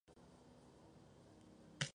Fue una pieza de recambio a lo largo del torneo.